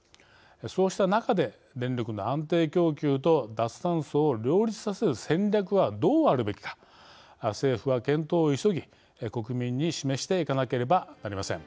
そうした中で電力の安定供給と脱炭素を両立させる戦略はどうあるべきか政府は検討を急ぎ国民に示していかなければなりません。